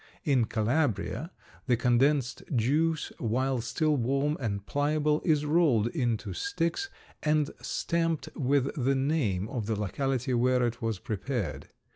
In Calabria the condensed juice, while still warm and pliable, is rolled into sticks and stamped with the name of the locality where it was prepared.